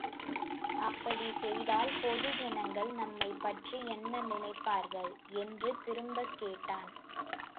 அப்படிச் செய்தால், பொதுஜனங்கள் நம்மைப் பற்றி என்ன நினைப்பார்கள்? —என்று திரும்பக் கேட்டார்.